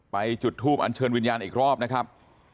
จุดทูปอันเชิญวิญญาณอีกรอบนะครับ